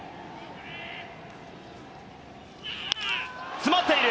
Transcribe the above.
詰まっている。